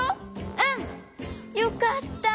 うん！よかった！